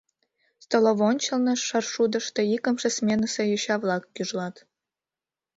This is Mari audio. Столовый ончылно шаршудышто икымше сменысе йоча-влак гӱжлат.